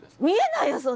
見えないよ